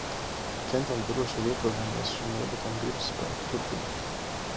Kentons droši ir ieprogrammējis šim robotam gribasspēku turpināt!